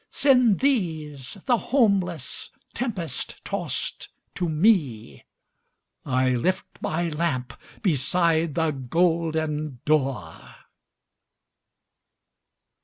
Send these, the homeless, tempest tost to me, I lift my lamp beside the golden door!"